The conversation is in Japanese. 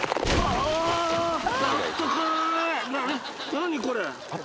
何これ？